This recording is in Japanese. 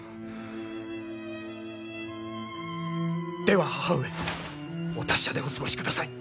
では母上お達者でお過ごしください。